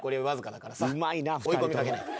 追い込みかけないと。